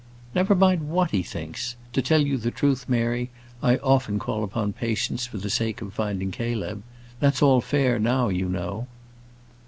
"Never mind what he thinks. To tell you the truth, Mary, I often call upon Patience for the sake of finding Caleb. That's all fair now, you know."